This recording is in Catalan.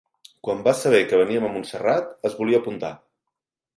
Quan va saber que veníem a Montserrat es volia apuntar.